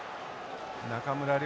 中村亮